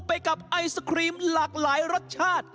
ไปกับไอศครีมหลากหลายรสชาติ